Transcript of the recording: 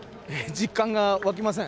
実感が湧きません。